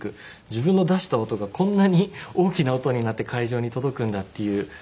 自分の出した音がこんなに大きな音になって会場に届くんだっていうなんでしょう